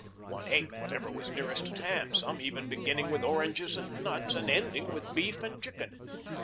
One ate whatever was nearest at hand, some even beginning with oranges and nuts and ending with beef and chicken.